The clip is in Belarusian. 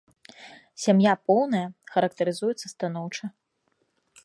Сям'я поўная, характарызуецца станоўча.